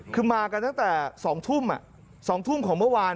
คือมากันตั้งแต่๒ทุ่ม๒ทุ่มของเมื่อวาน